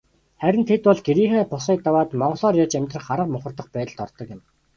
Харин тэд бол гэрийнхээ босгыг даваад монголоор ярьж амьдрах арга мухардах байдалд ордог юм.